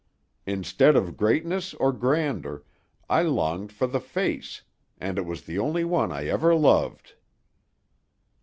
Instead of greatness or grandeur, I longed for the face, and it was the only one I ever loved."